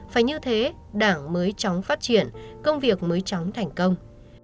phải như thế đảng mới chóng phát triển công việc mới chóng thành công